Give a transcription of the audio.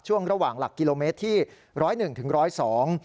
ช่วงระหว่างหลักกิโลเมตรที่๑๐๑ถึง๑๐๒